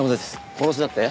殺しだって？